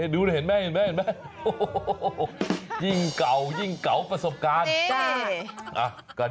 ดูแล้วเห็นมั้ยยิ่งเก่าประสบการณ์